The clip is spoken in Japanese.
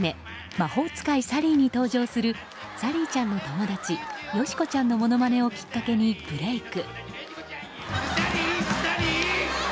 「魔法使いサリー」に登場するサリーちゃんの友達よし子ちゃんのものまねをきっかけにブレーク。